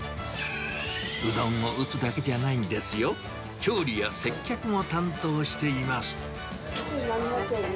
うどんを打つだけじゃないんですよ、調理や接客も担当しています。